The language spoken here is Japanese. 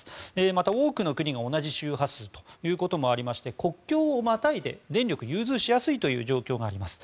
また、多くの国が同じ周波数ということもありまして国境をまたいで電力を融通しやすい状況があります。